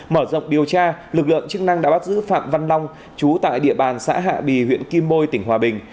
mở rộng điều tra lực lượng chức năng đã bắt giữ phạm văn long chú tại địa bàn xã hạ bì huyện kim bôi tỉnh hòa bình